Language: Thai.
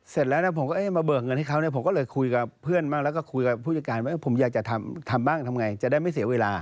เสร็จแล้วนะผมก็มาเบิกเงินให้เขาเนี่ยผมก็เลยคุยกับเพื่อนบ้างแล้วก็คุยกับผู้จัดการว่าผมอยากจะทำบ้างทำไงจะได้ไม่เสียเวลา